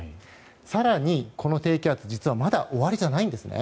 更に、この低気圧実はまだ終わりじゃないんです。